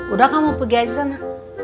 udah kamu pergi aja sana